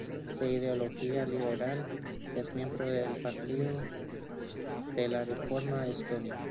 De ideología liberal, es miembro del Partido de la Reforma Estonio.